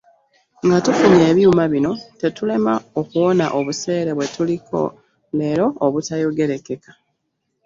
Nga tufunye ebyuma bino tetulema okuwona obuseere bwe tuliko leero obutayogerekeka.